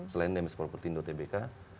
selain dms property indotbk